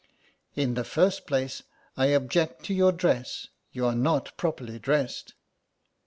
"In the first place I object to your dress ; you are not properly dressed."